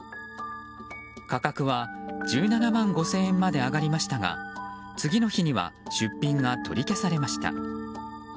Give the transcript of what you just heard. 価格は１７万５０００円まで上がりましたが次の日には出品が取り消されました。